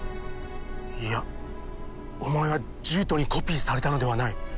いやお前は獣人にコピーされたのではない。